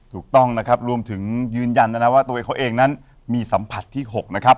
ถูกต้องนะครับรวมถึงยืนยันนะนะว่าตัวเองเขาเองนั้นมีสัมผัสที่๖นะครับ